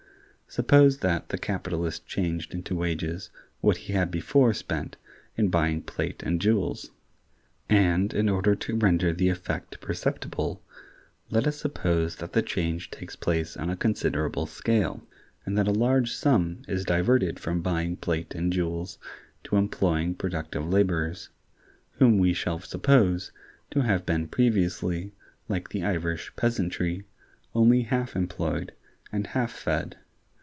Suppose that [the capitalist changed into wages what he had before spent] in buying plate and jewels; and, in order to render the effect perceptible, let us suppose that the change takes place on a considerable scale, and that a large sum is diverted from buying plate and jewels to employing productive laborers, whom we shall suppose to have been previously, like the Irish peasantry, only half employed and half fed.